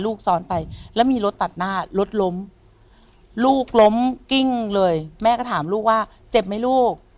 ลูกชายถามลูกว่าเจ็บไหมลูก